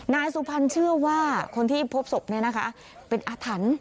นายสุพรรณเชื่อว่าคนที่พบสบนี้นะคะเป็นอธรรณ